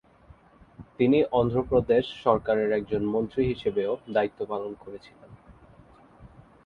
তিনি অন্ধ্রপ্রদেশ সরকারের একজন মন্ত্রী হিসেবেও দায়িত্ব পালন করেছিলেন।